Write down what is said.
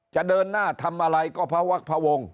จะเดินหน้าทำอะไรก็พระวักพระวงศ์